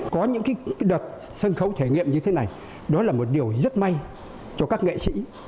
có những đợt sân khấu thể nghiệm như thế này đó là một điều rất may cho các nghệ sĩ